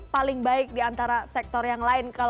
paling baik diantara sektor yang lain